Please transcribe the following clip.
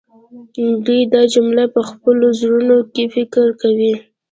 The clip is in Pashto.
دوی دا جمله په خپلو زړونو کې فکر کوي